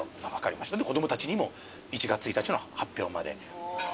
で子供たちにも１月１日の発表まで。